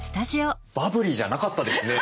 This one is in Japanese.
バブリーじゃなかったですね。